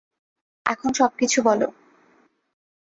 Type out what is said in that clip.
এখন সবকিছু বলো।